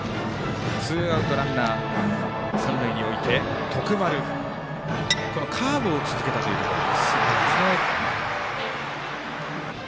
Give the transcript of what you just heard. ツーアウトランナー、三塁に置いて徳丸カーブを続けたというところ。